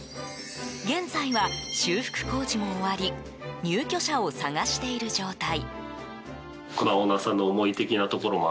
現在は、修復工事も終わり入居者を探している状態。